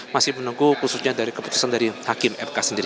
masih menunggu khususnya dari keputusan dari hakim mk sendiri